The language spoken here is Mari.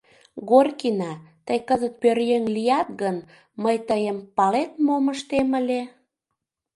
Горкина, тый кызыт пӧръеҥ лият гын, мый тыйым, палет, мом ыштем ыле?